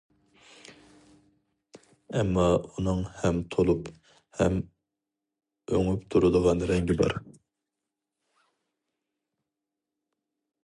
ئەمما ئۇنىڭ ھەم تولۇپ، ھەم ئۆڭۈپ تۇرىدىغان رەڭگى بار.